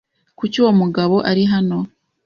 Kuki uwo mugabo ari hano?